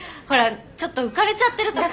ほらちょっと浮かれちゃってる。